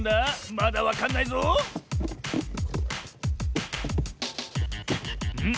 まだわかんないぞん？